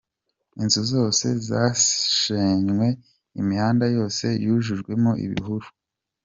Inzu zose zashenywe, imihanda yose yujujwemo ibihuru.